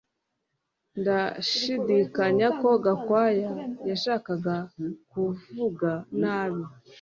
Ndashidikanya ko Gakwaya yashakaga kuvuga nabi